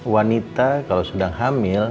wanita kalau sedang hamil